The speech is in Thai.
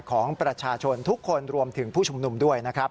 ของประชาชนทุกคนรวมถึงผู้ชุมนุมด้วยนะครับ